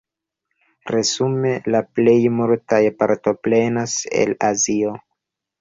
Resume la plej multaj partoprenas el Azio.